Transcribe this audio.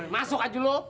masuk aja dulu